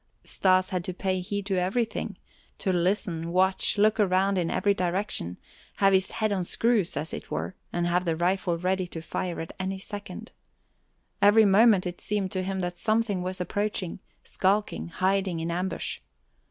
Stas had to pay heed to everything, to listen, watch, look around in every direction, have his head on screws, as it were, and have the rifle ready to fire at any second. Every moment it seemed to him that something was approaching, skulking, hiding in ambush.